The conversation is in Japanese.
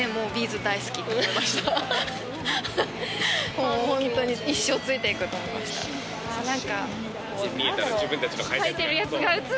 もうホントに「一生ついていく！」と思いました何かこう何だろう